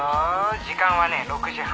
時間はね６時半。